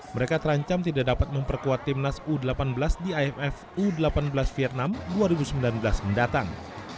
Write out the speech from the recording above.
mereka terancam tidak dapat memperkuat timnas u delapan belas di imf u delapan belas vietnam dua ribu sembilan belas mendatang